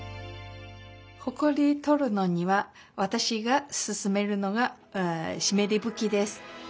ほこり取るのにはわたしがすすめるのがしめりぶきです。